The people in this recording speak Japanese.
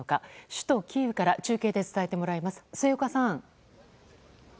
首都キーウから中継で伝えてもらいます。